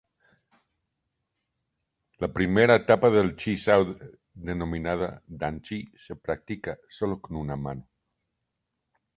La primera etapa del Chi Sao, denominada Dan-Chi, se practica solo con una mano.